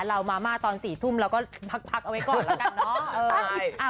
เรามาม่าตอน๔ทุ่มเราก็พักเอาไว้ก่อนแล้วกันเนาะ